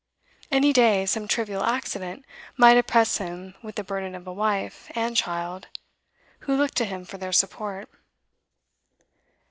Any day some trivial accident might oppress him with the burden of a wife and child who looked to him for their support.